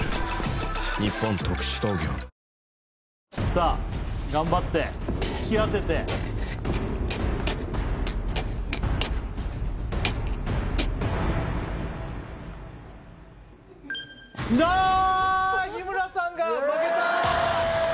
さあ頑張って引き当ててダーッ日村さんが負けたー